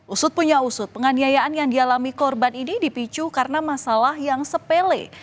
usut punya usut penganiayaan yang dialami korban ini dipicu karena masalah yang sepele